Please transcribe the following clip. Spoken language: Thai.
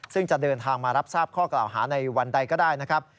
ซึ่งจะเดินทางมารับทราบข้อกล่าวหาในวันใดก็ได้นะครับ